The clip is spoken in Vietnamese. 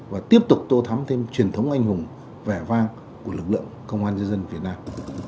và tiếp tục tô thắm thêm truyền thống anh hùng vẻ vang của lực lượng công an nhân dân việt nam